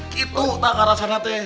ceduk tak karasana teh